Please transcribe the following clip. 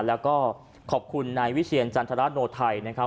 แล้วก็ขอบคุณนายวิเชียรจันทรโนไทยนะครับ